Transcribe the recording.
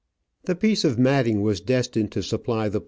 The piece of matting was destined to supply the place